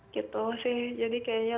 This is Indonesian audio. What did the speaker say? gitu sih jadi kayaknya